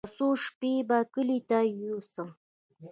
يو څو شپې به کلي ته يوسم.